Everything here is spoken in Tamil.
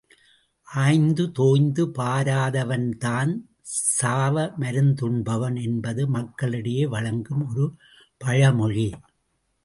ஆய்ந்தோய்ந்து பாராதவன்தான் சாவ மருந்துண்பவன் என்பது மக்களிடையே வழங்கும் ஒரு பழமொழி.